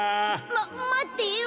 まっまってよ